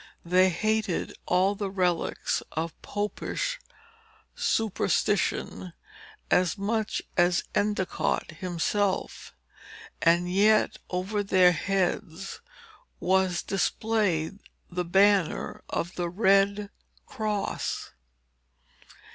They hated all the relics of Popish superstition as much as Endicott himself; and yet, over their heads, was displayed the banner of the Red Cross.